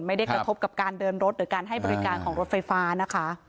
ไม่ได้กระทบกับการเดินรถหรือการให้บริการของรถไฟฟ้านะคะ